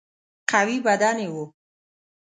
قوي بدن یې وو.